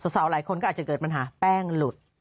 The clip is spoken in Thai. สาวหลายคนก็อาจจะเกิดปัญหาแป้งหลุด